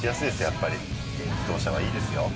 やっぱり軽自動車はいいですよ